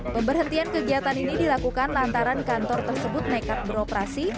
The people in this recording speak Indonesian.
pemberhentian kegiatan ini dilakukan lantaran kantor tersebut nekat beroperasi